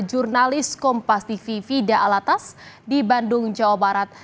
jurnalis kompas tv fida alatas di bandung jawa barat